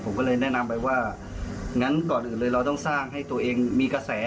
ผมก็เลยแนะนำไปว่างั้นก่อนอื่นเลยเราต้องสร้างให้ตัวเองมีกระแส